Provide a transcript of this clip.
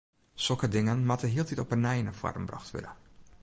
Sokke dingen moatte hieltyd op 'e nij nei foaren brocht wurde.